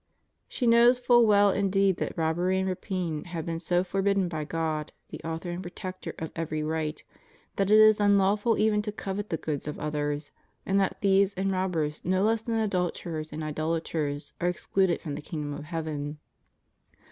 She knows full well indeed that robbery and rapine have been so for bidden by God, the Author and Protector of every right, that it is unlawful even to covet the goods of others, and that thieves and robbers no less than adulterers and idolaters are excluded from the kingdom of heaven.